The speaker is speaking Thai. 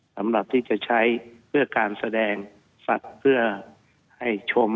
สำหรับที่จะใช้เพื่อการแสดงสัตว์เพื่อให้ชม